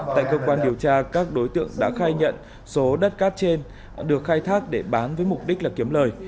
tại cơ quan điều tra các đối tượng đã khai nhận số đất cát trên được khai thác để bán với mục đích là kiếm lời